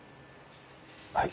はい？